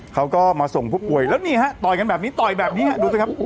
เขาก็มาส่งผู้ป่วยแล้วนี่ฮะต่อยกันแบบนี้ต่อยแบบนี้ฮะดูสิครับ